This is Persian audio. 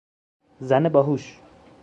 زن باهوش